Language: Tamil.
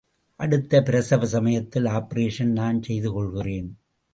அடுத்த பிரசவ சமயத்தில் ஆப்பரேஷன் நான் செய்து கொள்கிறேன்.